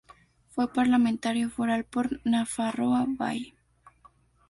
Fue parlamentario foral por Nafarroa Bai.